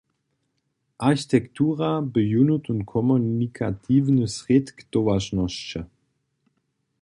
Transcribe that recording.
Architektura bě jónu tón komunikatiwny srědk towaršnosće.